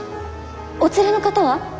お連れの方は？